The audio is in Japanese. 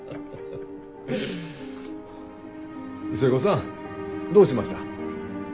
寿恵子さんどうしました？